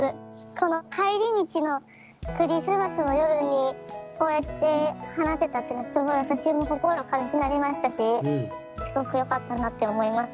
この帰り道のクリスマスの夜にこうやって話せたっていうのすごい私も心が軽くなりましたしすごくよかったなって思います。